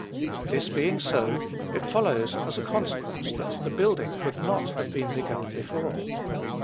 This being so, it follows as a consequence that the building could not have been begun before.